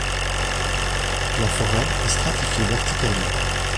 La forêt est stratifiée verticalement.